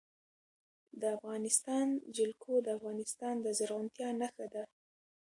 د افغانستان جلکو د افغانستان د زرغونتیا نښه ده.